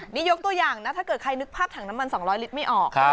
นี่ยกตัวอย่างนะถ้าเกิดใครนึกภาพถังน้ำมัน๒๐๐ลิตรไม่ออก